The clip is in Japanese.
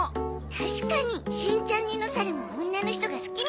確かにしんちゃん似の猿も女の人が好きみたいだし。